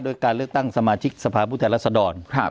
โดยการเลือกตั้งสมาชิกสภาพุทธแรกสะดอน